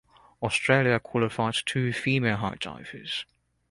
Australia qualified two female high divers.